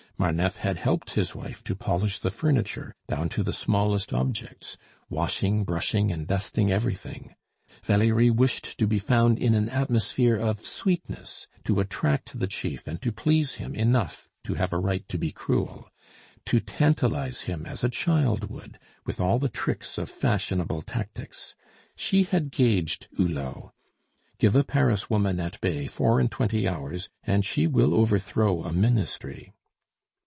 Marneffe had helped his wife to polish the furniture, down to the smallest objects, washing, brushing, and dusting everything. Valerie wished to be found in an atmosphere of sweetness, to attract the chief and to please him enough to have a right to be cruel; to tantalize him as a child would, with all the tricks of fashionable tactics. She had gauged Hulot. Give a Paris woman at bay four and twenty hours, and she will overthrow a ministry.